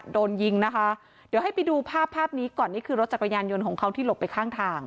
โดนยิงนะคะเดี๋ยวให้ไปดูภาพภาพนี้ก่อนนี่คือรถจักรยานยนต์ของเขาที่หลบไปข้างทาง